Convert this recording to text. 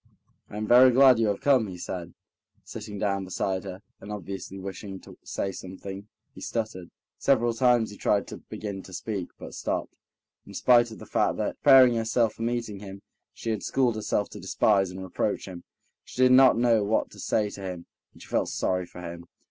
"I am very glad you have come," he said, sitting down beside her, and obviously wishing to say something, he stuttered. Several times he tried to begin to speak, but stopped. In spite of the fact that, preparing herself for meeting him, she had schooled herself to despise and reproach him, she did not know what to say to him, and she felt sorry for him.